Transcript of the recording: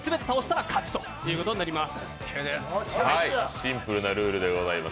シンプルなルールでございます。